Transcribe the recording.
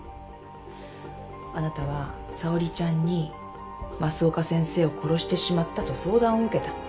あなたは沙織ちゃんに増岡先生を殺してしまったと相談を受けた。